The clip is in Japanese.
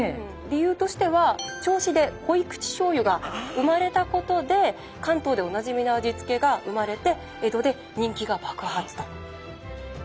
理由としては銚子で濃い口しょうゆが生まれたことで関東でおなじみの味付けが生まれて江戸で人気がばくはつと！